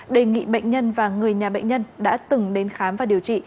đề nghị bệnh nhân và người nhà bệnh nhân đã từng đến khám và điều trị